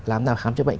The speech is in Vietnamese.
làm nào khám chữa bệnh